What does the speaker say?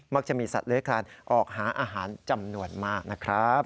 จะมีสัตว์เลื้อยคลานออกหาอาหารจำนวนมากนะครับ